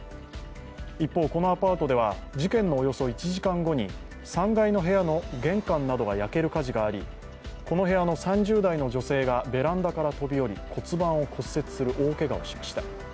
一方、このアパートでは事件のおよそ１時間後に３階の部屋の玄関などが焼ける火事がありこの部屋の３０代の女性がベランダから飛び降り骨盤を骨折する大けがをしました。